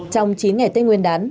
trong chín ngày tây nguyên đán